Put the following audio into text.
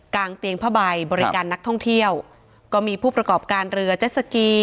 เตียงผ้าใบบริการนักท่องเที่ยวก็มีผู้ประกอบการเรือเจ็ดสกี